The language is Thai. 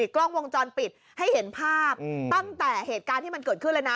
กล้องวงจรปิดให้เห็นภาพตั้งแต่เหตุการณ์ที่มันเกิดขึ้นเลยนะ